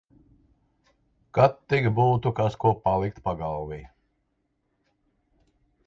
Kad tik būtu kas ko palikt pagalvī.